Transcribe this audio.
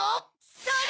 それ！